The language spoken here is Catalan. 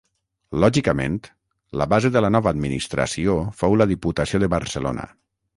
Lògicament, la base de la nova administració fou la Diputació de Barcelona.